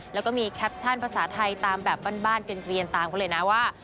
แล้วก็มีแคปชั่นภาษาไทยตามแบบบ้านเกลียนตามเขาเลยนะว่า